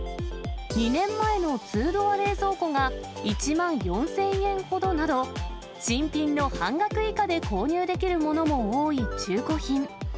２年前のツードア冷蔵庫が１万４０００円ほどなど、新品の半額以下で購入できるものも多い中古品。